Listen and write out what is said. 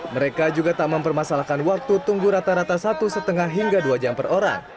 mereka juga tak mempermasalahkan waktu tunggu rata rata satu lima hingga dua jam per orang